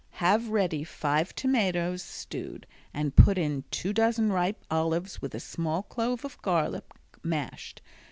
Have ready five tomatoes, stewed, and put in two dozen ripe olives with a small clove of garlic, mashed.